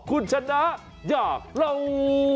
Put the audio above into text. คุณชนะยาหลัง